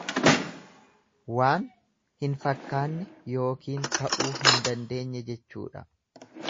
Waan hin fakkaanne yookiin ta'uu hin dandeenye jechuudha.